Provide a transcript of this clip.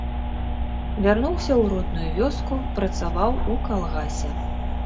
Вярнуўся ў родную вёску, працаваў у калгасе.